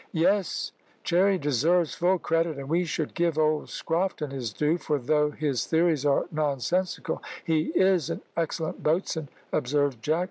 "Yes; Cherry deserves full credit, and we should give old Scrofton his due, for, though his theories are nonsensical, he is an excellent boatswain," observed Jack.